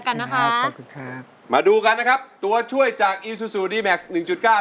ต้องเลือกให้ดีนะครับ